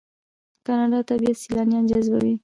د کاناډا طبیعت سیلانیان جذبوي.